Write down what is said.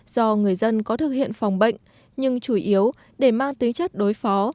do người dân có thực hiện phòng bệnh nhưng chủ yếu để mang tính chất đối phó